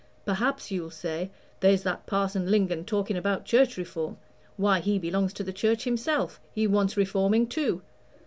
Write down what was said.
Perhaps you'll say, 'There's that Parson Lingon talking about Church Reform why, he belongs to the Church himself he wants reforming too.'